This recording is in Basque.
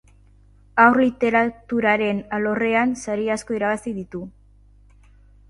Haur literaturaren alorrean sari asko irabazi ditu.